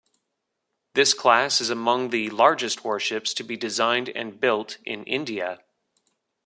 This class is among the largest warships to be designed and built in India.